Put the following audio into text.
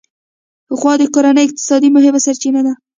غوا د کورني اقتصاد مهمه سرچینه ده.